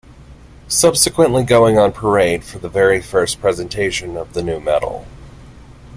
Subsequently going on parade for the very first presentation of the new medal.